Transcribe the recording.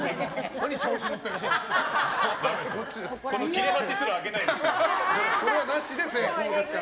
何調子乗ってるんですか。